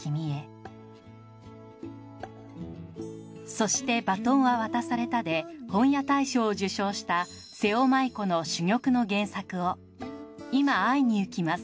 『そして、バトンは渡された』で本屋大賞を受賞した瀬尾まいこの珠玉の原作を『いま、会いにゆきます』